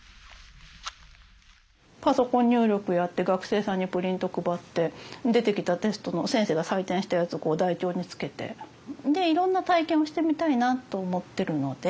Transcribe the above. パソコン入力やって学生さんにプリント配って出てきたテストの先生が採点したやつをこう台帳につけて。でいろんな体験をしてみたいなと思ってるので。